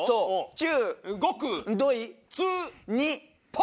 中。